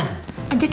ajaknya makan siang